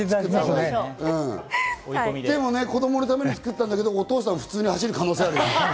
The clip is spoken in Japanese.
子供のために作ったんだけど、お父さん普通に走る可能性ある。